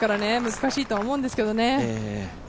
難しいとは思うんですけどね。